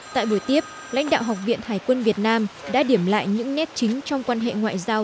tại buổi tiếp lãnh đạo học viện hải quân việt nam đã điểm lại những nét chính trong quan hệ ngoại giao